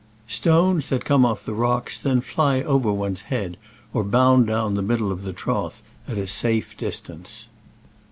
Stones that come off the rocks then ff y over one's head or bound down the middle of the trough at safe distance.